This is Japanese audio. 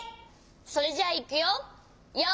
それじゃあいくよ。